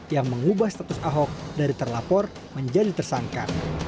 yang mengubah status ahok dari terlapor menjadi tersangka